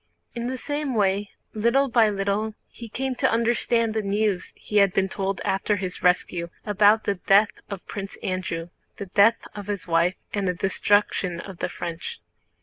In the same way little by little he came to understand the news he had been told after his rescue, about the death of Prince Andrew, the death of his wife, and the destruction of the French.